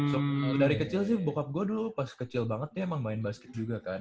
sop dari kecil sih bokup gue dulu pas kecil banget nih emang main basket juga kan